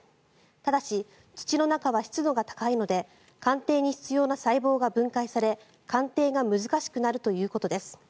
ただし、土の中は湿度が高いので鑑定に必要な細胞が分解され鑑定が難しくなるということです。